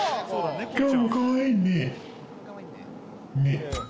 今日もかわいいね。